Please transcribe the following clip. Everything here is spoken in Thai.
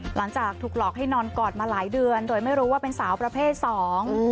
หลังจากถูกหลอกให้นอนกอดมาหลายเดือนโดยไม่รู้ว่าเป็นสาวประเภทสอง